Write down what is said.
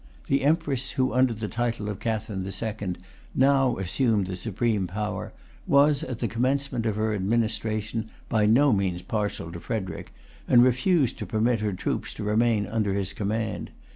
The Empress,[Pg 328] who, under the title of Catherine the Second, now assumed the supreme power, was, at the commencement of her administration, by no means partial to Frederic, and refused to permit her troops to remain under his command.